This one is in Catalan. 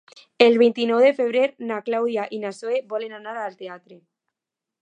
El vint-i-nou de febrer na Clàudia i na Zoè volen anar al teatre.